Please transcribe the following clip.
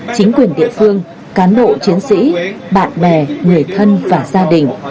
chính quyền địa phương cán bộ chiến sĩ bạn bè người thân và gia đình